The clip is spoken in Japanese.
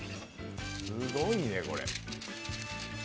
すごいね、これ。